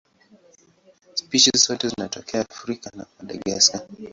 Spishi zote zinatokea Afrika na Madagaska.